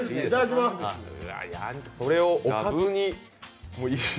それをおかずに。